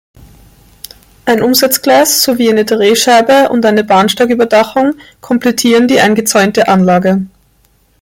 Ein Umsetzgleis sowie eine Drehscheibe und eine Bahnsteigüberdachung komplettieren die eingezäunte Anlage.